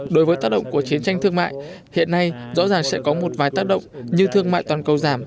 đối với tác động của chiến tranh thương mại hiện nay rõ ràng sẽ có một vài tác động như thương mại toàn cầu giảm